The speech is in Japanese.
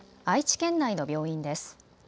愛知県内の病院です。